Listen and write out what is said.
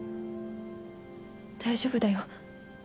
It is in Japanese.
大丈夫だよ。